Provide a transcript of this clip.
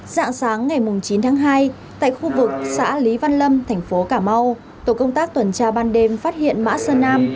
dạng sáng ngày chín tháng hai tại khu vực xã lý văn lâm thành phố cà mau tổ công tác tuần tra ban đêm phát hiện mã sơn nam